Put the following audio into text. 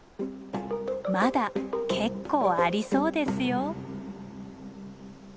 まだ結構ありそうですよ。